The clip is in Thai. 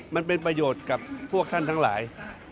มันเป็นประโยชน์กับพวกท่านทั้งหลาย